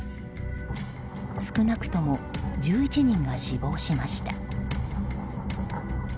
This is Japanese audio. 少なくとも１１人が死亡しました。